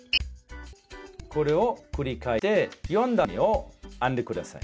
これを繰り返して４段めを編んで下さい。